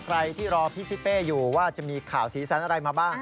ใครที่รอพี่เป้อยู่ว่าจะมีข่าวสีสันอะไรมาบ้าง